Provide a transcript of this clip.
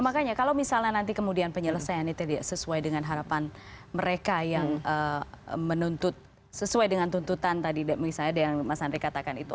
makanya kalau misalnya nanti kemudian penyelesaian itu tidak sesuai dengan harapan mereka yang menuntut sesuai dengan tuntutan tadi misalnya yang mas andri katakan itu